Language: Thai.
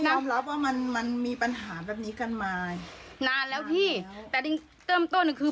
ยอมรับว่ามันมันมีปัญหาแบบนี้กันมานานแล้วพี่แต่จริงเริ่มต้นคือ